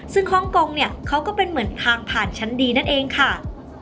ซึ่งฮ่องกงเนี่ยเขาก็เป็นเหมือนทางผ่านชั้นดีนั่นเองค่ะ